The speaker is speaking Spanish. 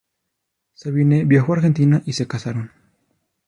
Sabine viajó a Argentina, y se casaron.